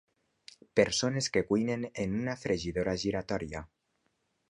Persones que cuinen en una fregidora giratòria.